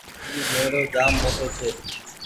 اي ميڙو جآم موٽو ڇي۔